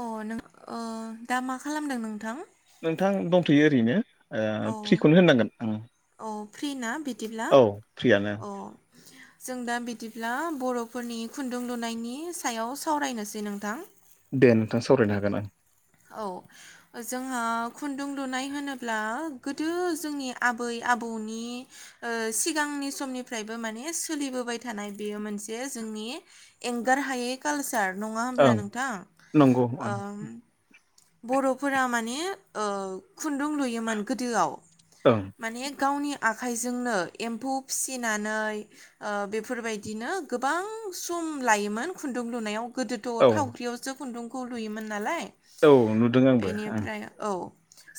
अ नों अ दा मा खालामदों नोंथां? नोंथां दंथ'यो ओरैनो ओ फ्रिखौनो होननांगोन ओम। फ्रिना बि औ फ्रियानो। [inaudible] जों दा बिदिब्ला बर'फोरनि खुन्दुं लुनायनि सायाव सावरायनोसै नोंथां। दे नोंथां सावरायनो हागोन ओं। औ जोंहा खुन्दुं लुनाय होनोब्ला गोदो जोंनि आबै आबौनि ओ सिगांनि समनिफ्रायबो माने सोलिबोबाय थानाय बेयो मोनसे ज जोंनि एंगार हायै कालचार नङा हब्ला ओं नोंथां? नंगौ ओं ओ बर'फोरा माने ओ खुन्दुं लुयोमोन गोदोआव ओं माने गावनि आ आखाइजोंनो एम्फौ फिसिनानै ओ बेफोरबायदिनो गोबां सुम लायोमोन खुन्दुं लुनायाव गोदोथ' औ थावख्रियावसो खुन्दुंखौ लुयोमोन नालाय। औ नुदों आंबो ओं। बेनिफ्राय औ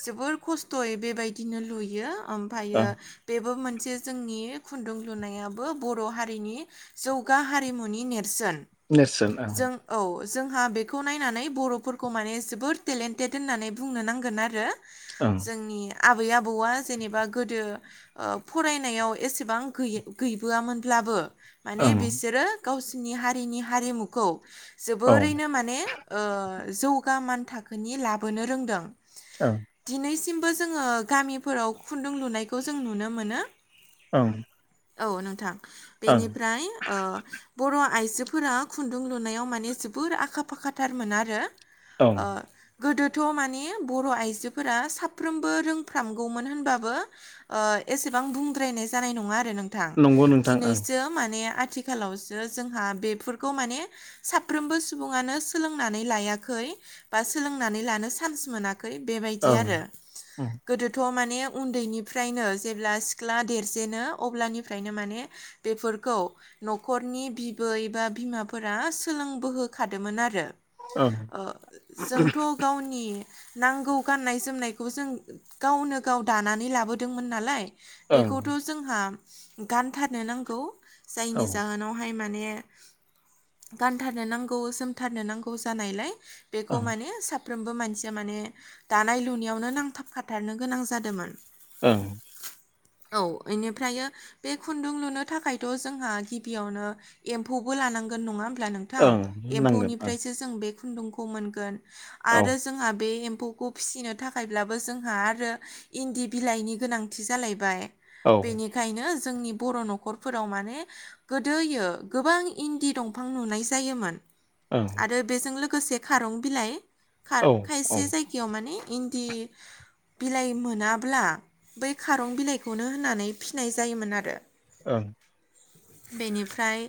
जोबोर खस्थ'यै बेबायदिनो लुयो ओं ओमफ्रायो बेबो मोन से जोंनि खुन्दुं लुनायाबो बर' हारिनि जौगा हारिमुनि नेरसोन। नेरसोन औ। जों औ जोंहा बेखौ नायनानै बर'फोरखौ माने जोबोर टेलेन्टेड होननानै बुंनो नांगोन आरो। ओं जोंनि आबै आबौआ जेनेबा गोदो ओ फरायनायाव एसेबां गै-गैबो आमोनब्लाबो माने बिसोरो गावसिनि हारिनि हारिमुखौ ओं जोबोरैनो माने ओ जौगा मान थाखोनि लाबोनो रोंदों। औ दिनैसिमबो जोङो गामिफोराव खुन्दुं लुनायखौ जों नुनो मोनो। ओं औ नोंथां ओं बेनिफ्राय ओ बर' आइजो फोरा खुन्दुं लुनायाव माने जोबोर आखा फाखाथारमोन आरो ओं ओ गोदोथ' माने बर' आइजोफोरा साफ्रोमबो रोंफ्रामगौमोन होनबाबो ओ एसेबां बुंद्रानाय जानाय नङा आरो नोंथां नंगौ नोंथां ओं दिनैसो माने आ थिखालावसो जोंहा बेफोरखौ माने साफ्रोमबो सुबुङानो सोलोंनानै लाया खै बा सोंनानै लानो सान्स मोनाखै बेबायदि आरो ओं गोदोथ' मा ने उन्दैनिफ्रायनो जेब्ला सिख्ला देरजेनो अब्लानिफ्रायनो माने बेफोरखौ न'खरनि बिबै एबा बिमाफोरा सोलोंबोहोखादोंमोन आरो। ओं ओ जोंथ' गावनि नांगौ गाननाय जोमनायखौ जों गावनो गाव दानानै लाबोदोंमोन नालाय। ओं बेखौथ' जोंहा गानथारनो नांगौ औ जायनि ओं जाहोनावहाय माने गानथारनो नांगौ जोमथारनो नांगौ जानायलाय बेखौ ओं माने सा फ्रोमबो मानसिया माने दानाय लुनायावनो नांथाब खाथारनो गोनां जादोंमोन। औ औ इनिफ्रायो बे खुन्दुं लुनो थाखायथ' जोंहा गिबियावनो एम्फौ बो लानांगोन नङा होमब्ला नोंथां होननांगोन ओं एम्फौनिफ्रायसो जों बे खुन्दुंखौ मोनगोन औ आरो जोंहा बे ए म्फौखौ फिसिनो थाखायब्लाबो जोंहा आरो इन्दि बिलाइनि गोनांथि जालायबाय। औ बेनिखायनो जोंनि बर' न'खरफोराव माने गोदोयो गोबां इन्दि दंफां नुनाय जायोमोन। ओं आरो बेजों लोगोसे खारं बिलाइ, औ औ खा-खायसे जायगायाव माने इन्दि बिलाइ मोनाब्ला बै खारं बिलाइखौनो होनानै फिनाय जायोमोन आरो। ओं [inaudible] बेनिफ्राय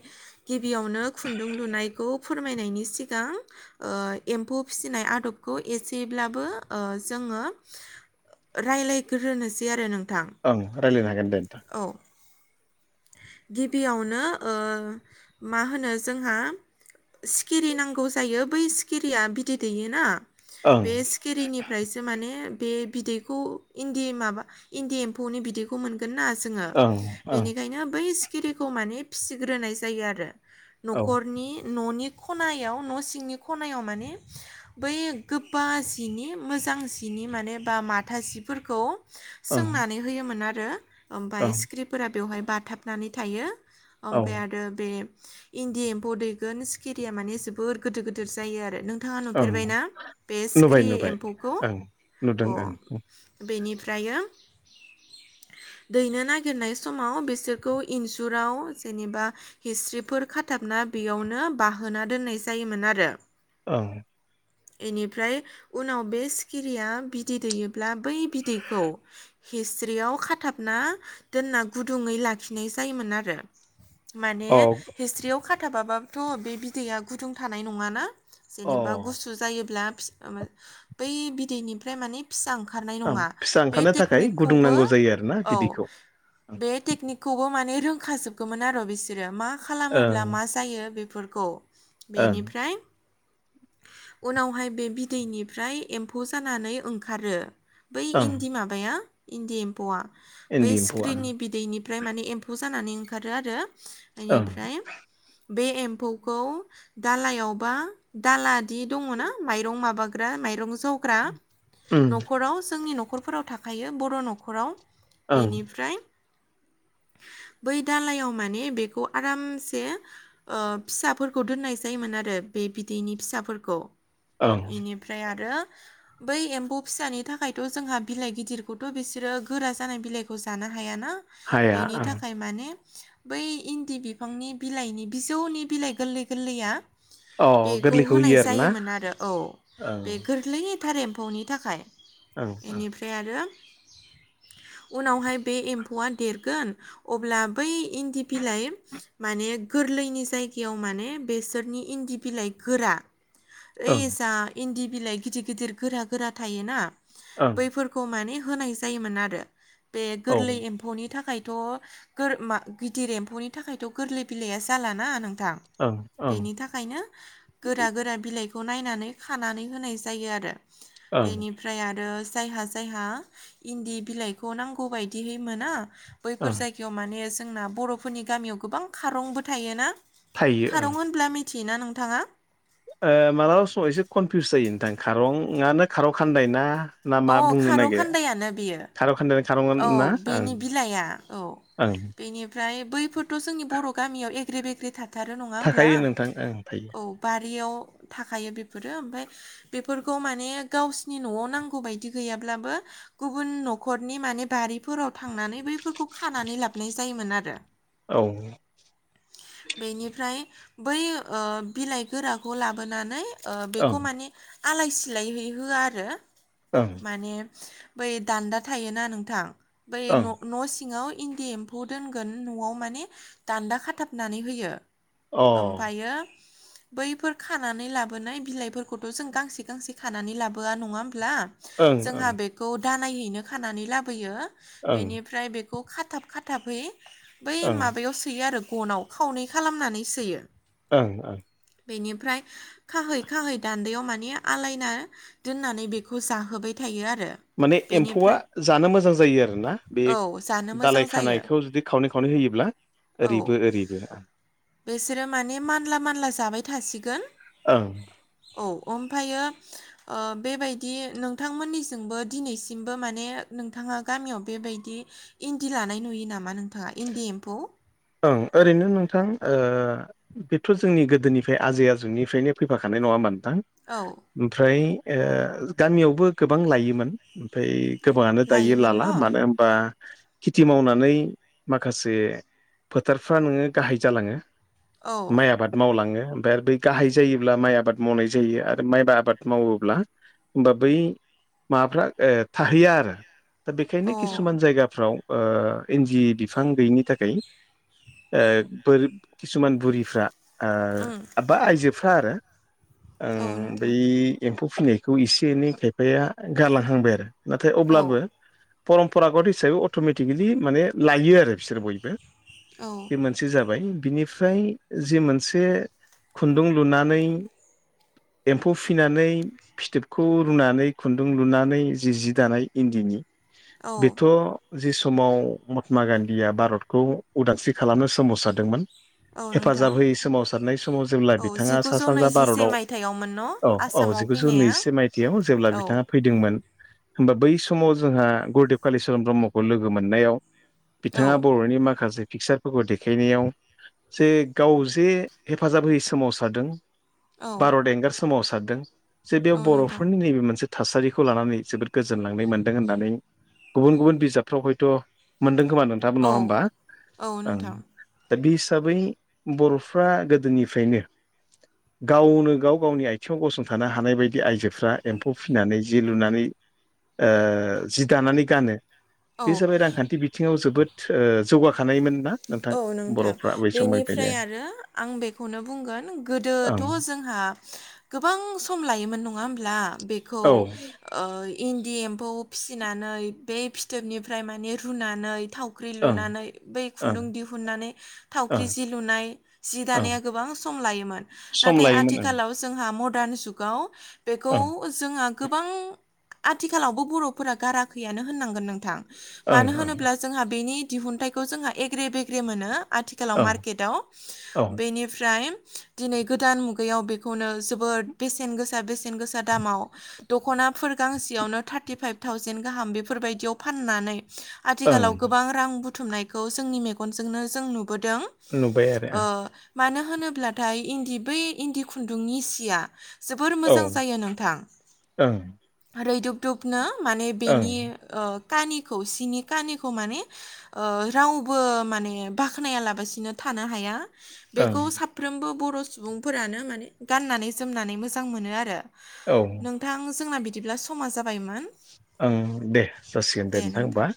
गिबियावनो खुन्दुं लुनायखौ फोरमायनायनि सिगां ओ एम्फौ फिसिनाय आदबखौ एसेब्लाबो ओ जोङो रायलायग्रोनोसै आरो नों ओं रायज्लायनो हागोन दे नोंथां। गिबियावनो ओ मा होनो जोंहा सिखिरि नांगौ जायो बै सिखिरिया बिदै दैयोना ओं बे सिखिरिनिफ्रायसो माने बे बिदैखौ इन्दि माबा इन्दि एम्फौनि बिदैखौ मोनगोन ना जोङो ओं ओं बेनि बै सिखिरिखौ माने फिसिग्रोनाय जायो आरो औ न'खरनि न'नि खनायाव न' सिंनि खनायाव मान बै गोबा जिनि मोजांजि नि माने बा माथा जिफोरखौ ओं सोंनानै होयोमोन आरो औ ओमफ्राय स्क्रिफोरा बेवहाय बाथाबनानै थायो। औ ओमफ्राय आरो बे इन्दि एम्फौ दैगोन सिकिरिया माने जोबोर गिदिर गिदिर जायो आरो नों नोंथाङा ओं नुफेरबायना बे नुबाय सिखिरि नुबाय एम्फौखौ ओं नुदों अ बेनिफ्राय दायो दैनो नागिरनाय समाव बे बिसोरखौ इनजुराव जेनेबा हिस्रिफोर खाथाबना बेयावनो बाहोना दोननाय जायोमोन आरो। औ बेनिफ्राय उनाव बे सिखिरिया बिदै दैयोब्ला बै बिदैखौ हिसि्याव खाथाबना दोनना गुदुङै लाखिनाय जायोमोन आरो माने ओं हिसि्याव खाथाबाबाबोथ' बे बिदैआ गुदुं थानाय नङााना अ जेनेबा गुसु जायोब्ला बै बिदैनिफ्राय माने फिसा ओंखारनाय ओं नङा फिसा बे ओंखारनो थाखाय गुदुं टेकनिकखौबो नांगौ जायो आरोना औ बिदैखौ बे टेकनिकखौ खौ माने रोंखाजोबगौमोन आरो बिसोरो मा खालामोब्ला ओं मा जायो बेफोरखौ ओं बेनिफ्राय उनावहाय बे बिदैनिफ्राय एम्फौ जानानै ओंखारो बै ओं इन्दि माबाया इन्दि एम्फौआ बै इन्दि एम्फौआ स्क्रिननि बिदैनि फ्राय माने एम्फौ जानानै ओंखारो आरो ओं इनिफ्राय बे एम्फौखौ दालायावबा दालादि दङ ना माइरं माबाग्रा माइरं जावग्रा उम न'खराव जोंनि न'खरफोराव थाखायो बर' न'खराव ओं बेनिफ्राय बै दालायाव माने बेखौ आरामसे ओ फिसाफोरखौ दोननाय जायो माने आरो बे बिदैनि फिसाफोरखौ ओं इनिफ्राय आरो बै एम्बौ फिसानि थाखायथ' जोंहा बिलाइ गिदिरखौथ' बिसोरो गोरा जानाय बिलाइखौ जानो हायाना हाया बेनि ओं थाखाय माने बै इन्दि बिफांनि बिलाइनि बिजौनि बिलाइ गोरलै गोरलैया अ बेखौ गोरलैखौ होनाय होयो आरोना जायोमोन आरो औ बे ओं गोरलैथार एम फौनि थाखाय ओं इनिफ्राय आरो उनावहाय बे एम्फौआ देरगोन अब्ला बै इन्दि बिलाइ माने गोरलैनि जायगायाव माने बेसोरनि इन्दि बिलाइ गोरा ओं ओइस इन्दि बिलाइ गिदिर गिदिर गोरा गोरा थायोना ओं बैफोरखौ माने होनाय जायोमोन आरो बे औ गोरलै ओं एमफ नि थाखायथ' गोर मा गिदिर एम्फौनि थाखायथ' गोरलै बिलाइया जाल ना नों रा ओं बेनि थाखायनो गोरा गोरा बिलाइ खौ नायनानै खानानै होनाय जायो आरो ओं बेनिफ्राय आरो जायहा जायहा इन्दि बिलाइखौ नांगौ बदिहै मोना बैफोर ओं जायगायाव माने जोंना बर'फोरनि गामियाव गोबां खारंबो थायोना थायो ओं खारं होनब्ला मिथियोना नोंथाङा? ओ मालाबा समाव एसे कनफिउस जायो नोंथां खारंआानो खारं खानदायना? ना अ मा बुंनो खारौ नागिर खान्दायानो बेयो खार' खानदा औ बेनि बिलाइआ औ ओं बेनिफ्राय बैफोरथ' जोंनि बर' गामियाव एग्रे बेग्रे थाथारो नङा होमब्ला थाखायो नोंथां ओं थायो औ बारियाव थाखायो बेफोरो ओमफाय बेफोरखौ माने गावसिनि न'आव नांगौ बायदि गैयाब्लाबो गुबुन न'खरनि माने बारिफोराव थांनानै बैफोरखौ खानानै लाबनाय जायोमोन आरो औ बेनिफ्राय बै ओ बिलाइ गोराखौ लाबोनानै ओ बेखौ ओं माने आलाय सिलाय हैै होआ आरो ओं माने बै दान्दा। थायोना नोंथां बै ओं न'न' सिङाव। इन्दि एम्फौ दोनगोन न'आव माने दान्दा खाथाबनानै होयो। अ ओं ओफायो। बैफोर खानानै लाबोनाय बिलाइफोरखौथ' जों गांसे गांसे खानानै लाबोआ नङा होनबा। ला जोंहा ओं बेखौ दानायैनो खानानै लाबोयो ओं बेनिफ्राय बेखौ खाथाब खाथाबहै बै ओं माबायाव सोयो आरो गनाव खावनै खालामनानै सोयो। ओं ओं। बेनिफ्राय खाहै खाहै दानदायाव माने आलायना दोननानै बेखौ जाहोबाय थायो आरो। माने एम्फौआ। बेनिफ्राय जानो मोजां जायो आरोना बे औ जानो मोजां दालाय जायो खानायखौ जुदि खावनै खावनै होयोब्ला। ओरैबो ओरैबो आं। बेसोरो माने मानला मानला जाबाय थासिगोन। ओं। औ ओमफायो ओ बेबायदि नोंथांमोननिजोंबो दिनैसिमबो माने। नोंथाङा गामियाव बेबायदि इन्दि लानाय नुयो नामा नोंथाङा इन्दि एम्फौ। ओं ओरैनो नोंथां बेथ' जोंनि गोदोनिफ्राय आजै आजौनिफ्रायनो फैफाखानाय। नङा होनबा नोंथां औ ओफ्राय ओ गामियावबो गोबां लायोमोन। ओमफ्राय गोबाङानो दायो लायोमोन न लाला मानो होनबा। खेथि मावनानै माखासे फोथारफ्रा नोंङो गाहाय जालाङो। औ माइ आबाद मावलाङो। ओमफ्राय आरो बै गाहाय जायोब्ला माइ आबाद मावनाय जायो आरो माइबा आबाद मावोब्ला होबा बै। माबाफ्रा थाहैयो आरो। दा बेखायनो औ किसुमान जायगाफ्राव इन्दि बिफां गैयिनि थाखाय। ओ बोरिब किसुमान बुरिफ्रा। उम ओ आइजोफ्रा आरो। औ ओं बै नोंथां एम्फौ फिनायखौ एसे एनै खायफाया गारलांहांबाय आरो। नाथाय औ अब्लाबो परमपरागत हिसाबै अट'मेटिकेलि माने लायो आरो बिसोर बयबो। औ बे मोनसे जाबाय। बिनिफ्राय जि मोनसे खुन्दुं लुनानै। एम्फौ फिनानै फिथोबखौ रुनानै खुन्दुं लुनानै जि जि दानाय इन्दिनि। औ बेथ' जि समाव महात्मा गान्धीया भारतखौ। उदांस्रि खालामनो सोमावसारदोंमोन। औ नोंथां हेफाजाब होयै सोमावसारनाय समाव जेब्ला औ बिथाङा सा जिगुजौ सानजा नैजिसे भारताव मायथाइयावमोन न औ। औ आसामाव जिगुजौ फैनाया नैजिसे मायथायाइयाव जेब्ला औ बिथाङा फैदोंमोन। होमबा बै समाव जोंहा गुरुदेब कालिचरन ब्रह्मखौ लोगो मोननायाव। औ बिथाङा बर'नि माखासे। पिकचारफोरखौ देखायनायाव जे गाव जे हेफाजाब होयै सोमावसारदों। औ भारत एंगार सोमावसारदों जे बेयाव औ नोंथां बर'फोरनि नैबे मोनसे। थासारिखौ लानानै जोबोद गोजोनलांनाय मोनदों होननानै गुबुन गुबुन बिजाबफ्राव हयथ' मोनदों। खोमा नोंथां नङा होनोमबा। औ औ नोंथां बि हिसाबै बर'फ्रा गोदोनिफ्रायनो। गावनो गाव गावनि आथिङाव गसंथानो हानाय बायदि आइजोफ्रा एम्फौ फिनानै जि लुनानै। ओ जि दानानै गानो। औ बे जाबाय रांखान्थि बिथिङाव जोबोद जौगाखानायमोन ना। नोंथां औ नोंथां बर'फ्रा बै बेनिफ्राय समनिफ्रायनो आरो आं बेखौनो बुंगोन गोदोथ' ओं जोंहा। गोबां सम लायोमोन नङा होमब्ला बेखौ। औ इन्दि एम्फौ फिसिनानै बे फिथोबनिफ्राय माने रुनानै। थावख्रि ओं लुनानै बै। ओं खुन्दुं दिहुननानै थावख्रि ओं जि लुनाय जि ओं दानाया गोबां सम लायोमोन सम नाथाय आ लायोमोन आथिखालाव जोंहा मदार्न जुगाव बेखौ ओं जोंहा गोबां आथिखालावबो बर'फोरा गाराखैयानो होननांगोन नोंथां ओं मानो ओं होनोब्ला जोंहा बेनि दिहुनथाइखौ जोंहा एग्रे बेग्रे मोनो आथिखालाव ओं मार्केटाव औ बेनिफ्राय दिनै गोदान मुगायाव बेखौनो जोबोद बेसेन गोसा बेसेन गोसा दामाव दख'ना नाफोर गांसेयावनो थार्टि फाइभ थावजेेन गाहाम बेफोरबायदियाव फाननानै ओं आथिखालाव गोबां रां बुथुमनायखौ जोंनि मेगनजोंनो जों नु बोदों नुबाय आरो ओ मानो होनोब्लाथाय इन्दि बै इन्दि खुन्दुंनि सिया जोबोर औ मोजां जायो नोंथां ओं रैदुब दुबनो माने ओं बेनि ओ खानिखौ सिनि खानिखौ माने ओ रावबो माने बाख्नायालाबासिनो थानो हाया ओं बेखौ साफ्रोमबो बर' सुबुंफोरानो माने गाननानै जोमनानै मोजां मोनो आरो औ नोंथां जोंना बि दिब्ला समा जाबायमोन। ओं दे जासिगोन दे नोंथां होमबा।